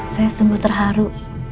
saya sungguh terharu